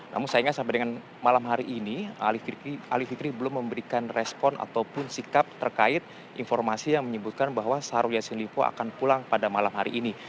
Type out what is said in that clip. namun sayangnya sampai dengan malam hari ini ali fikri belum memberikan respon ataupun sikap terkait informasi yang menyebutkan bahwa syahrul yassin limpo akan pulang pada malam hari ini